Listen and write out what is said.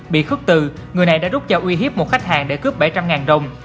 bị khước từ người này đã rút cho uy hiếp một khách hàng để cướp bảy trăm linh đồng